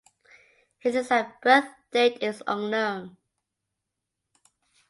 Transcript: His exact birthdate is unknown.